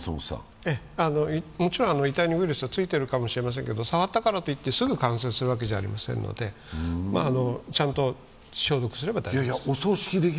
もちろん遺体にウイルスはついているかもしれませんけれども、触ったからといって、すぐ感染するわけじゃありませんので、ちゃんと消毒すれば大丈夫です。